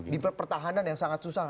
di pertahanan yang sangat susah